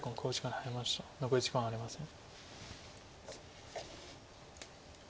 残り時間はありません。